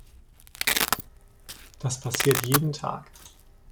Das passiert jeden Tag.